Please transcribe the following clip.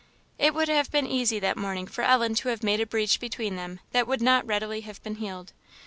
It would have been easy that morning for Ellen to have made a breech between them that would not readily have been healed.